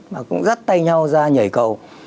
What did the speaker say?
mà cũng rắt tay nhau ra nhảy cầu